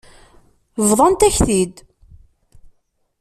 Bḍant-ak-t-id.